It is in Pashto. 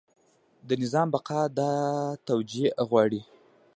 د نظام بقا دا توجیه غواړي.